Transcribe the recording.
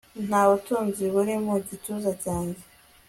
Nta butunzi buri mu gituza cyanjye